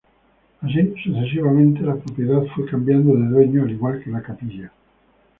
Así sucesivamente, la propiedad fue cambiando de dueño al igual que la capilla.